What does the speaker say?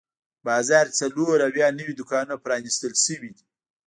په بازار کې څلور اویا نوي دوکانونه پرانیستل شوي دي.